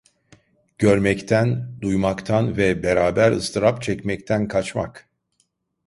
Görmekten, duymaktan ve beraber ıstırap çekmekten kaçmak.